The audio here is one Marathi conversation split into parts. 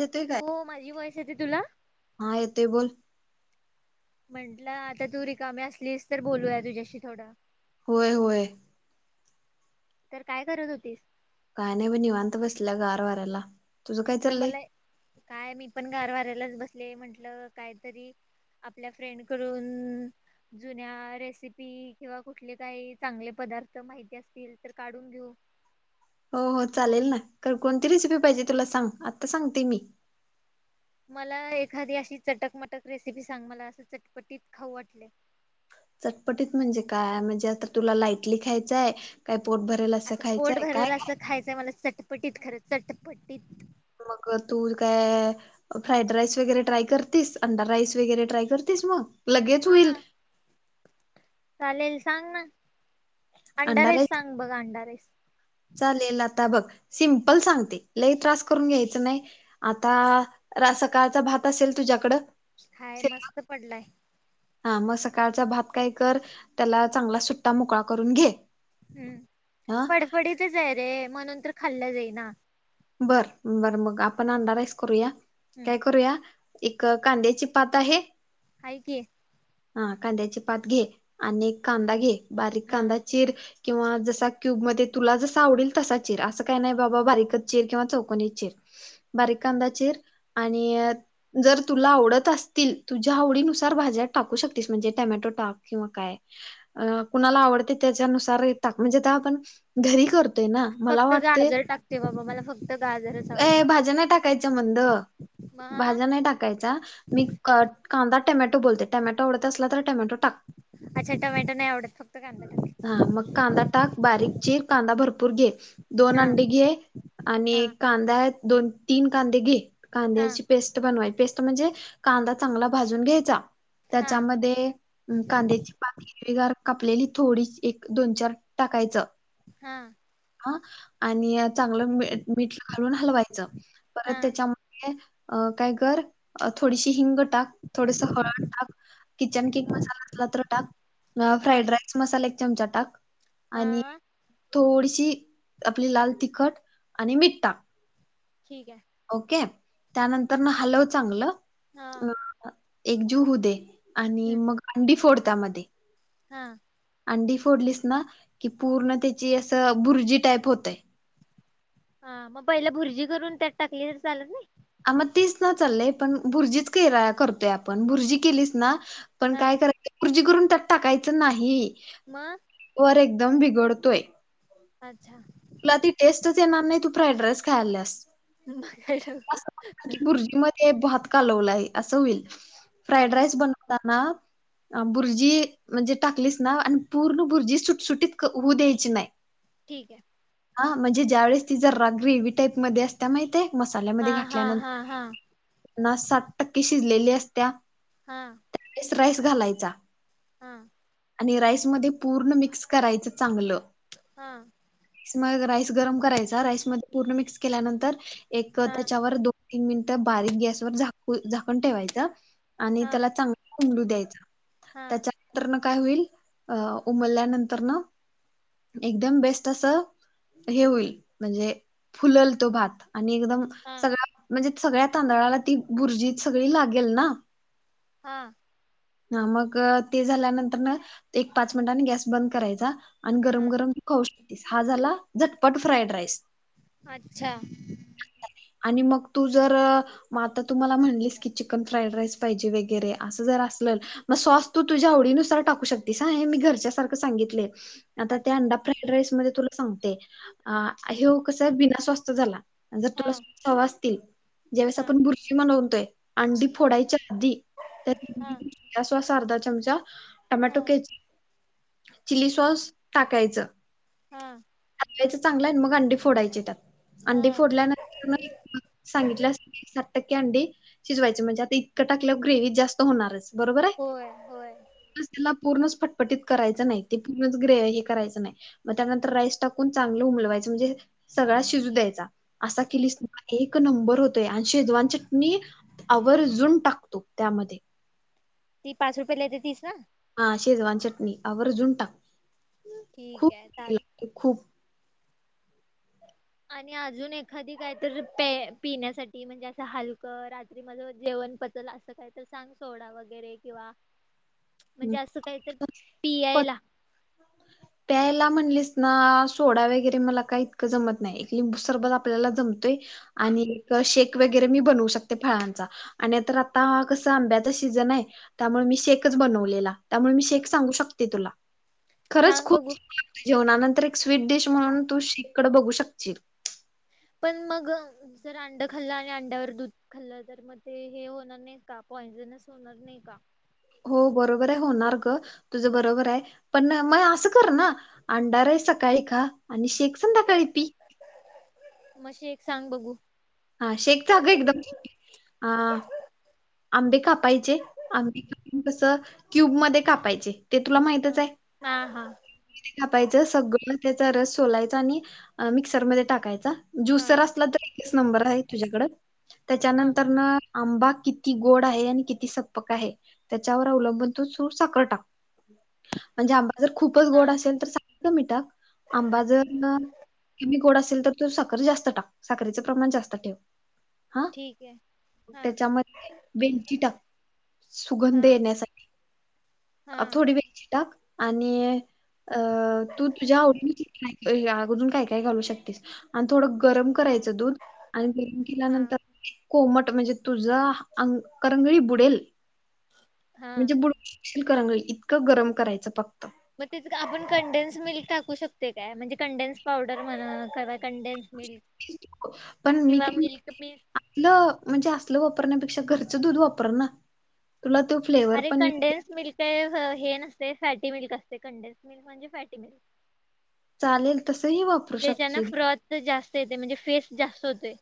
ज ते ग हो माझी वॉईस येते तुला? हा येतोय बोल. म्हंटलं आता तू रिकामे असलीस तर बोलूया तुझ्याशी थोड. होय होय. तर काय करत होतीस? काय नाही पण निवाांत बसला का गार वाऱ्याला. तुझं काय तर चाललंय? मला काय मी पण गार वारायलाच बसले म्हंटलं काहीतरी आपल्या फ्रेंडकडून जुन्या रेसिपी किंवा कुठले काही चांगले पदार्थ माहिती असतील तर काढून घेऊ. हो हो चालेल ना कोणती रेसिपी पाहिजे तुला सांग आत्ता सांगते मी. मला एखादी अशी चटक मटक रेसिपी सांग मला असं चटपटीत खाऊ वाटले. चटपटीत म्हणजे काय? म्हणजे आता तुला लाइटली खायचंय? काय पोट भरेल असं पोट खायचंय काय? भरायला असं खायचंय मला चटपटीत खरं चटपटीत मग तू काय फ्राईड राईस वगैरे ट्राय करतेस अंडा राईस वगैरे ट्राय करतेस मग लगेच होईल. हा. चालेल सांग ना अंडा राईस सांग बरं अंडा राईस. चालेल आता बघ सिम्पल सांगते लई त्रास करून घ्यायचं नाही. आता सकाळचा भात असेल तुझ्याकडं. हाय मस्त पडलाय. हा मग सकाळचा भात काही कर त्याला चांगला सुट्टा मोकळा करून घे. हम्म हा फडफडीतच आहे रे म्हणून तर खाल्लं जाईना. बर बर मग आपण अंडाराईस करूया. हम्म काय करूया? एक कांद्याची पात आहे. हय कि. हा कांद्याचे पात घे आणि एक कांदा घे बारीक हा कांदा चिर किंवा जसा क्यूब मध्ये तुला जसा आवडेल तसा चिर असं काय नाही बाबा बारीकच चीर किंवा चोकोनी चीर बारीक कांदा चिर आणि, हम्म. जरं तुला आवडतं असतील तुझ्यां आवडीनुसार भाज्यांत टाकूं शकतीस म्हणजे टमॅटो टांक किंवा कायं अ कुणांला आवडते त्यांच्यानुसारा हि टांक म्हणजे आपणं घरी करं फक्तं गाजरं टाकते बाबां मला फक्तं गाजरं अ भाज्यां नाहीं टाकायच्यां म्हणंद मग भाज्यां नाहीं टाकायचं. टाकायंचा मी कांदा टोमॅटो बोलते टोमॅटो आवडतं असलातरी टोमॅटो टांक अच्छा टमॅटो नाही आवडत फक्त कांदा टाक हा मंग कांदा टांक बारी चीर कांदा भरंपूर घे दोन हा अंडे घे आणि हा कांदा आहे दोन तीनं कांदे घे हा कांद्याची पेस्ट बनवायची पेस्ट म्हणजे कांदा चांगला भाजूंन घ्यांयचा हा त्यांच्यामध्ये कांद्याची बारीक हीरवीगार पांत कापलेली थोडी एक दोन चार टाकायचं हां हां आणि चांगलं मिठ घालूंन हालवायचं हा परंत त्यांच्या अ कायं करं थोडीशी हिंग टांक थोडंसं हळंद टांक किचन किंग मसाला असलां तर टांक हा फ्राईड राईस किंग मसाला एक चमचा टांक आणि हा थोडीशी आपली लाल तिखंट आणि मिठ टांक ठीक आहे ओके त्यानंतर नां हलव हा चांगलं एकजीव होऊ दे आणि मंग अंडी फोड त्यांमध्ये हां अंडी फोडलीस नां की पूर्ण त्यांची असं भुर्जी टाईप होतंय हां मंग पहिले भुर्जी करूंन त्यांत टाकली तरं चालतं नाहीं आ मंग तीच नां चाललंय पणं भुर्जीच करतोय आपणं भुर्जी केलीस नां पणं हा कायं करायचं भुर्जी करूंन त्यां टाकायचं नाही मंग वरं एकदंम बिघडतोय अच्छां तुला ती टेस्टंच येणारं नाहीं तूं फ्राईड राईस खाल्यांस मा काय [unintelligible] हे भातकालवलाय असं होईल फ्राईड अच्छा राईस बनवतांना भुर्जी म्हणजे टाकलीचं नां आणि पूर्ण भुर्जी सुटसुटीत होऊ द्यांयची नाहीं ठीक आहे हां म्हणजे ज्यां वेळेस ति जरं रांग रीवी टाईपमध्ये असतं त्यां माहितय हा मसाल्यांमध्ये हा घातल्यांनंत हा हा पन्नास सात टक्के शिजलेली असत्यां हां त्यांस राईस घालायंचा हां आणि राईसमध्यें पूर्ण मिक्स करायचं चांगलं हा मंग राईस गरमं करायंचा राईस मध्यें पूर्ण मिक्स केल्यानंतर एक हा त्यांच्यावर दोन तीनं मिनिट बारीक गॅस वरं झांकून ठेवायचं आणि त्यांला चांगलं उलू द्यांयचा हा त्यांच्या मंग कायं होईल अं उमरल्यानंतर नं एकदंम बेस्ट असं हे होईल म्हणजे फुललं तो भात आणि एकदंम हा सगळं म्हणजे सगळ्यां तांदळांला ती भुर्जी सगळीं लागेल नां हा ह मग ते झाल्यानंतर न एक पाच मिनटांनी गॅस बंद करायचा आणि हा गरम-गरम स हा झाला झटपट फ्राईड राईस अच्छा आणि मग तू जर मग आता तु मला म्हणलीस की चिकन फ्राईड राईस पाहिजे वगैरे असं जर अस मग साॅस तू तुझ्या आवडीनुसार टाकू शकतीस हा मी हे घरच्या सारख सांगितलंय आता त्या अच्छा अंडा फ्राईड राईस मध्ये तुला सांगते. अ ह्यो कस बिना साॅसचा झाला जर हा तुला साॅस हवा असतील. ज्यावेळेस हा आपण भुर्जी बनवतोय अंडी हा फोडायच्या आधी हा त्यात सॉस अर्धा चमचा टोमॅटो केचप, चिली सॉस टाकायचं. हा याच चांगलं आहे आणि मग अंडी फोडायची त्यात अंडी हा फोडल्यानंतर मग सांगितलं अस साठ टक्के अंडी शिजवायची म्हणजे आता इतकं टाकल्यार ग्रेवी जास्त होणारच. बरोबर आहे होय होय त्याला पूर्णच फटफटीत करायच नाही ते पूर्ण ग्रे हे करायचं नाही मग त्यानंतर राईस टाकून चांगलं उमलवायचं म्हणजे सगळा शिजू द्यायचा असा ठीक केलीस आहे भात एक नंबर होतोय आणि शेजवान चटणी आवर्जुन टाक तु त्यामध्ये. ती पाच रुपयाला येते तीच ना? हा शेजवान चटणी आवर्जुन टाक. ठीक आहे चाल ते खूप आणि अजून एखादी काय तर पे पिण्यासाठी म्हणजे असं हलकं रात्री माझ जेवण पच चल असं काही तरी सांग सोडा वगैरे किंवा म्हणजे असं काही तर पियायला [unintelligible] [inaudible] प्यायला म्हणलीस ना सोडा वगैरे मला काही इतकं जमत नाही एक लिंबू सरबत आपल्याला जमतयं. आणि शेक वगैरे मी बनवू शकते फळांचा. आणि आता कस आंब्याचा सीजन आहे त्यामुळे मी शेकच बनवलेला त्यामुळे मी शेक सांगू शकते तुला खरंच सांग खूप बघू जेवणानंतर एक स्वीट डिश म्हणून तू शेककड बघू शकशील. पण मग जर अंड खाल्लं आणि अंड्यावर दूध खाल्लं तर मग ते हे होणार नाही का पॉंइजनच होणा होणार नाही का? हो बरोबर आहे होणार गं तुझं बरोबर आहे. पण मग असं कर ना अंडा राईस सकाळी खा आणि शेक संध्याकाळी पी. मग शेक सांग बघू? हा शेक तर एकदम सोपा आहे अ आंबे कापायचे अगदी कस क्यूब मध्ये कापायचे. ते तुला माहितच हा आहे. हा हा [unintelligible] कापायचं सगळं त्याचा रस सोलायचा आणि मिक्सरमध्ये टाकायचा. हा ज्युसर असला तर एकच नंबर आहे तुझ्याकड हां, त्यांच्यानंतर न आंबा कि कि गोड आहे आणि किती सपक आहे त्याच्यावर अवलंबून तू सुख साखर टाक. म्हणजे आंबा जर खूपच गोड हां, असेल तर साखर कमी टाक आंबा जर मग कमी गोड असेल तर तू साखर जास्त टाक साखरचं प्रमाण जास्त ठेव. हा ठीक हे, हां. त्याच्यामध्ये वेलची टाक. सुगंध हां, येण्यासाठी अ हां, थोडी वेलचि टाक आणी अ तु तुझ्या आवडीची अगदून काय काय घालू शकतेस आणि थोडं गरम हां, करायचं दूध आणि गरम हां, केल्यानंतर कोमट म्हणजे तुझा अगं करंगळी बुडेल हां. म्हणजे बुडशील करंगळी इतकं गरम करायचं फक्त. मग तिथ आपण कंडेन्स मिल्क टाकू शकतो काय, म्हणजे कंडेन्स पावडर म्हणा, कंडेन्स मिल्क किंवा मिल्क पीस आपलं म्हणजे असलं वापरण्यापेक्षा घरचं दूध वापर ना. तुला तो फ्लेवर पण ये त हे नसते सॅटी मध्ये असते कंडेन्स मिल्क म्हणजे फॅटी मिल्क. चालेल तसही वापरू देचना शकशील. फ्रत जास्त येते म्हणजे फेस जास्त होते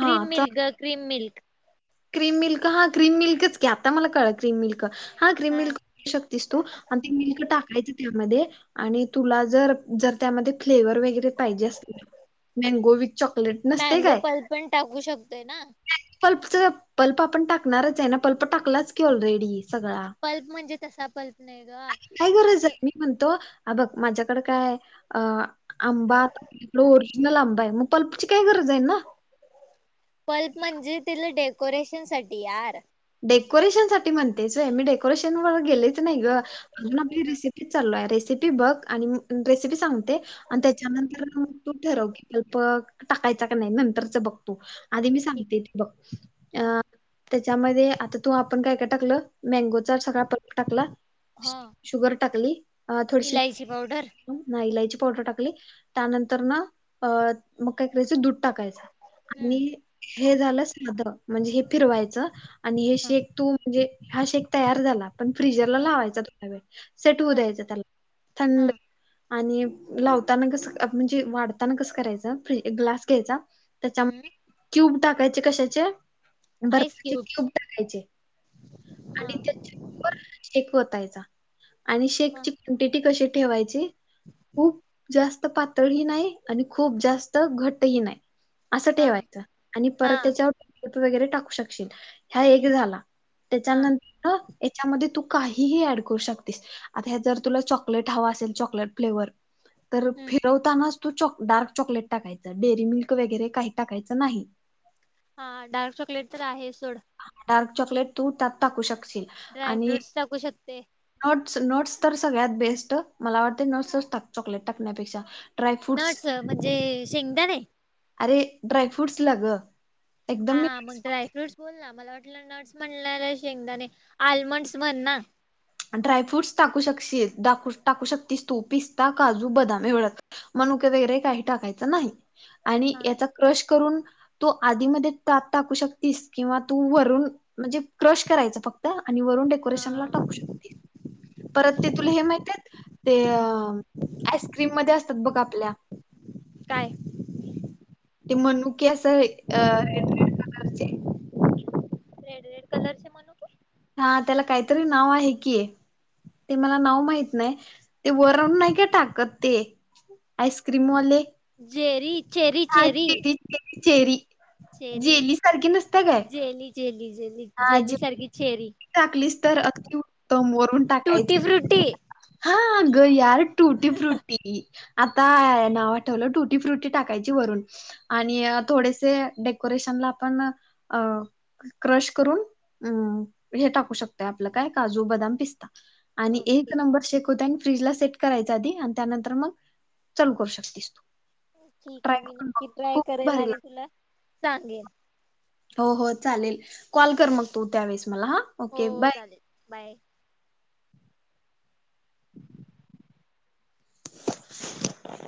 क्रीम मिल्क ग! Cream milk. क्रीम मिल्क हा, क्रीम मिल्कच घ्या आता मला कळल क्रीम मिल्क, हा ग्रीम मिल्क शकतेस तू आणि ते मिल्क टाकायचं त्यामध्ये. आणि तुला जर जर त्यामध्ये फ्लेवर वगैरे पाहिजे असतील मँगो व चॉकलेट, नसते मँगो काय पल पण टाकू शकतोय ना? पल्पच पल्प आपण टाकणारच आहे ना पल्प टाकलाच की ऑलरेडी. सगळा पल्प म्हणजे तसा पल्प नाही ग काय गरज आता आहे मी म्हणतो ह बघ माझ्याकडे काय अ आंबा. इकडं ओरिजिनल आंबा आहे मग पल्पची काय गरज आहे ना. पल्प म्हणजे तिथल डेकोरेशन साठी यार. डेकोरेशनसाठी म्हणतेस वय मी डेकोरेशन व गेलेच नाही ग अजून आपली रेसिपी चाललोय रेसिपी बघ आणि रेसिपी सांगते‌ आणि त्याच्यानंतरग तू ठरव की पल्प टाकायचा का नाही नंतरच बघतू. आधी मी ठीक सांगते ते बघ, हा अ त्याच्यामध्ये आता तू आपण काय काय टाकलं मँगोचा सगळा पलक टाकला. हा शुगर टाकली, अ थोडीशी इलायची पावडर इलायची पावडर टाकली त्यानंतर ना अ मग काय करायचं दूध टाकायच आणि हम्म हे झालं साध म्हणजे हे फिरवायचं. आणि हे हा शेक तू म्हणजे हा शेक तयार झाला. पण फ्रिजरला हा लावायच थोडा वेळ सेट होऊ हा द्यायचं त्याला हा थंड आणि लावताना कसं म्हणजे वाढताना कसं करायचं फ -ग्लास घ्यायचा. हम्म त्याच्यामध्ये क्यूब टाकायचे कशाचे? आईस बर्फाचे क्यूबज. क्यूब टाकायचे आणि त्या चेक ओतायचा. आणि हा शेकची क्वांटिटी कशी ठेवायची खूप जास्त पा तळ ही नाही आणि खूप जास्त घटही नाही असं हा ठेवायचं आणि परत हा त्याच्यावर वगैरे टाकू शकशील ह्या एक झाला. हा त्याच्यानंतर ह याच्यामध्ये तू काहीही ऍड करू शकतीस. आता हे जर तुला चॉकलेट हवा असेल चॉकलेट फ्लेवर तर हम्म फिरवताना तू च डार्क चॉकलेट टाकायचं डेअरी मिल्क वगैरे काही टाकायचं नाही. हा डार्क चॉकलेट तर आहे सोड. डार्क चॉकलेट तू त्यात टाकू शकशील ड्राय आणि फ्रूट्स टाकू शकते. नोट्स- नोट्स तर सगळ्यात बेस्ट. मला वाटते नोट्स टाक, चॉकलेट टाकण्यापेक्षा. ड्रायफ्रूट्स नट्स म्हणजे शेंगदाणे? अरे! ड्रायफ्रूट्सला गं. हा, हा. मग ड्राय फ्रूट्स बोल ना. मला वाटलं नट्स म्हणल्यावर शेंगदाणे. आल्मंडस म्हण ना. ड्रायफ्रूटस टाकू शकशी दाखू - टाकू शकतीस तू. पिस्ता, काजू, बदाम एवढच. मणुके वगैरे काही टाकायचं नाही. आणि हा याचा क्रश करून तो आधीमध्ये टा टाकू शकतीस. किंवा तू वरून म्हणजे क्रश करायच फक् आणि वरून हा डेकोरेशनला टाकू शकती. परत ते तुला हे माहितेयत, ते अ ह. आईस्क्रीम मध्ये असतात बघ, आपल्या. काय? ते मणूके असं हे अ रेड- रेड कलरचे मनूके? हा, त्याला काहीतरी नाव आहे की? ते मला नाव माहीत नाही. ते वरून नाही का टाकत ते आईस्क्रीमवाले. जेरी. चेरी हा चेरी [unintelligible] चेरी. चेरी. जेली सारखी नसते काय जेली, जेली, जेली. जेली सारखी चेरी. टाकलीस तर अतिउत्तम. वरून टुटी टाकायचं. फ्रुटी हा, अ गं यार. Tutti frutti. आता नाव आठवलं. टुटी - फ्रुटी टाकायची वरून. आणि अ थोडेसे डेकोरेशनला पण अ क्रश करून अ हे टाकू शकत. आपलं, काय काजू, बदाम, पिस्ता. आणि ओके एक नंबर शेक होतय. आणि फ्रीजला सेट करायचा आधी आणि त्यानंतर मग चालू करू शकतीस तू. ट्राय ठीकय, मी करून नक्की बघ ट्राय खूप करेल. भारी आणि तुला सांगेन. हो, हो, चालेल. कॉल कर मग तू त्यावेेळेस मला. हा. Okay bye. हो, चालेल. बाय. [inaudible]